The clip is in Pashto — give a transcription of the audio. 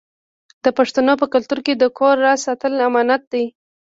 د پښتنو په کلتور کې د کور راز ساتل امانت دی.